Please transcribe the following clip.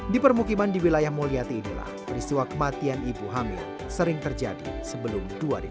di permukiman di wilayah mulyati inilah peristiwa kematian ibu hamil sering terjadi sebelum dua ribu dua